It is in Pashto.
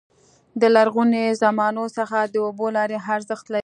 د لرغوني زمانو څخه د اوبو لارې ارزښت لري.